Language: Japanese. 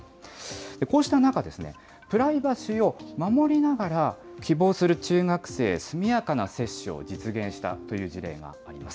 こうした中、プライバシーを守りながら、希望する中学生、速やかな接種を実現したという事例があります。